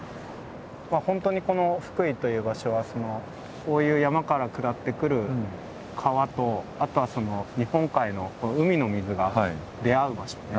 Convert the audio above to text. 本当にこの福井という場所はこういう山から下ってくる川とあとは日本海の海の水が出会う場所で。